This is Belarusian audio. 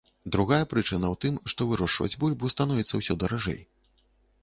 Другая прычына ў тым, што вырошчваць бульбу становіцца ўсё даражэй.